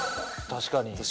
確かに。